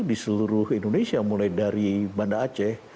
di seluruh indonesia mulai dari banda aceh